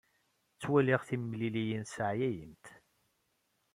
Ttwaliɣ timliliyin sseɛyayent.